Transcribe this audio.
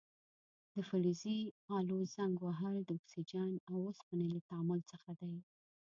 د فلزي الو زنګ وهل د اکسیجن او اوسپنې له تعامل څخه دی.